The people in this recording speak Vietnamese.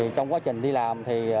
trong quá trình đi làm